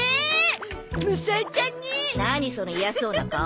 その嫌そうな顔。